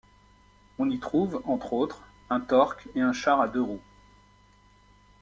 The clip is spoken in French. On y trouve, entre autres, un torque et un char à deux roues.